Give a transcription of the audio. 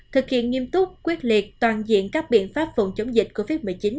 thực hiện nghiêm túc quyết liệt toàn diện các biện pháp phòng chống dịch covid một mươi chín